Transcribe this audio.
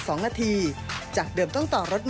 ก็ดีใจก่อนครับ